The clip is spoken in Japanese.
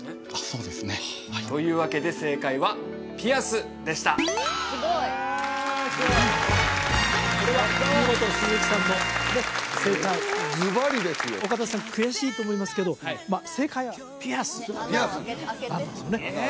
そうですねというわけで正解は「ピアス」でしたこれは見事鈴木さんの正解ズバリですよ岡田さん悔しいと思いますけど正解は「ピアス」なんですよねえ